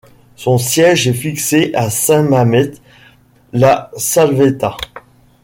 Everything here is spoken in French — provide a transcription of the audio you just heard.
Son siège est fixé à Saint-Mamet-la-Salvetat.